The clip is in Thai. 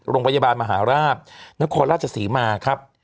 โรงพยาบาลมหาราชนครราชศรีมาครับ